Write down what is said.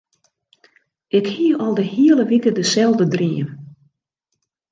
Ik hie al de hiele wike deselde dream.